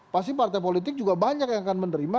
pasti partai politik juga banyak yang akan menerima